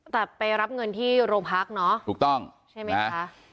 แต่ไปรับเงินที่โรงพักเนาะถูกต้องใช่ไหมคะ